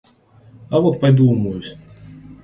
А вот пойду умоюсь.